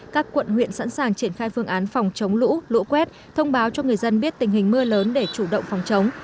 các quận huyện sẵn sàng triển khai phương án phòng chống lũ lũ quét thông báo cho người dân biết tình hình mưa lớn để chủ động phòng chống